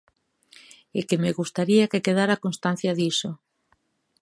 É que me gustaría que quedara constancia diso.